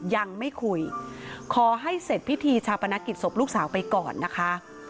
ยังไม่คุยขอให้เสร็จพิธีชาปนกิจศพลูกสาวไปก่อนนะคะ